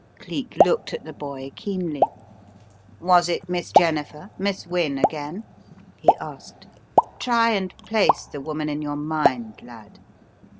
Cleek looked at the boy keenly. "Was it Miss Jennifer, Miss Wynne again?" he asked. "Try and place the woman in your mind, lad."